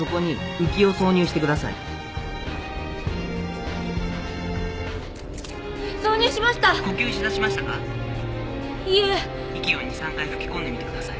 息を２、３回吹き込んでみてください。